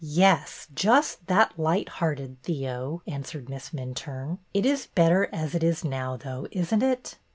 '' Yes, just that light hearted, Theo," answered Miss Minturne. ''It is better as it is now, though, is n't it